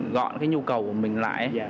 gọn cái nhu cầu của mình lại